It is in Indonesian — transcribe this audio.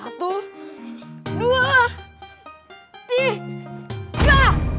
satu dua tiga